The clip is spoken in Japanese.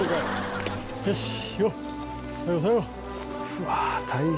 「うわ大変」